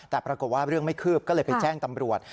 แต่ปรากฏว่าเรื่องไม่คืบก็เลยไปแจ้งตำรวจ